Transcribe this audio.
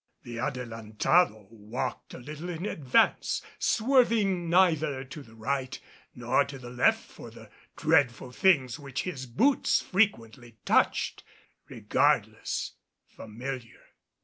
The Adelantado walked a little in advance, swerving neither to the right nor to the left for the dreadful things which his boots frequently touched, regardless, familiar.